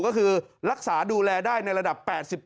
ก็คือรักษาดูแลได้ในระดับ๘๗